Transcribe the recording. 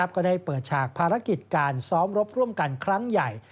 ก็ได้เปิดฉากภารกิจการซ้อมรบร่วมกันครั้งใหญ่